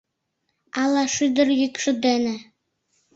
Ала шӱдыр йӱкшӧ дене